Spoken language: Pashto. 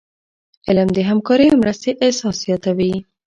علم د همکاری او مرستي احساس زیاتوي.